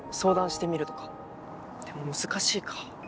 でも難しいか。